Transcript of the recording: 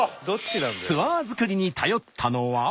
ツアー作りに頼ったのは。